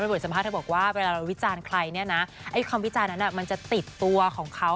บทสัมภาษณ์เธอบอกว่าเวลาเราวิจารณ์ใครเนี่ยนะไอ้คำวิจารณ์นั้นมันจะติดตัวของเขา